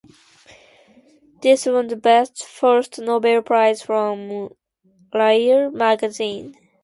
This won the best first novel prize from "Lire" magazine.